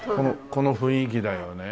この雰囲気だよね。